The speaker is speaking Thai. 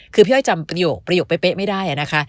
คือพี่อ้อยจำประโยคเป๊ะไม่ได้นะคะ